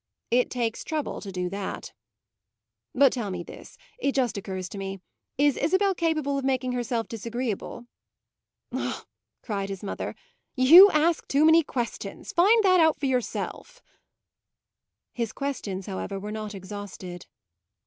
It takes trouble to do that. But tell me this; it just occurs to me. Is Isabel capable of making herself disagreeable?" "Ah," cried his mother, "you ask too many questions! Find that out for yourself." His questions, however, were not exhausted.